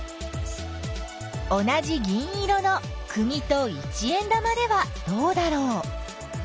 同じ銀色のくぎと一円玉ではどうだろう。